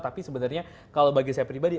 tapi sebenarnya kalau bagi saya pribadi